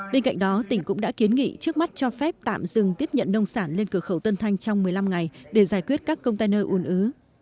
bên cạnh đó tỉnh cũng đã kiến nghị trước mắt cho phép tạm dừng tiếp nhận nông sản lên cửa khẩu tân thanh trong một mươi năm ngày để giải quyết các công tay nơi ùn ứ